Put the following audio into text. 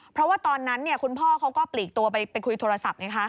เพราะว่าตอนนั้นคุณพ่อเขาก็ปลีกตัวไปคุยโทรศัพท์ไงคะ